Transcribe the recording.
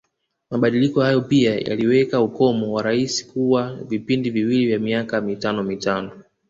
Mabadiliko hayo pia yaliweka ukomo wa Rais kuwa vipindi viwili vya miaka mitano mitano